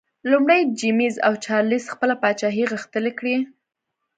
لومړی جېمز او چارلېز خپله پاچاهي غښتلي کړي.